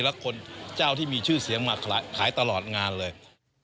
และคนเจ้าที่มีชื่อเสียงมาขายตลอดงานเลย